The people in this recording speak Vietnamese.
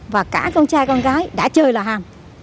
và cả con trai con gái đã chơi là hàng